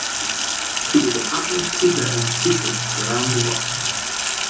He was a popular speaker and futurist around the world.